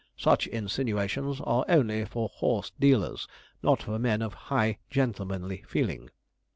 Such insinuations are only for horse dealers, not for men of high gentlemanly feeling.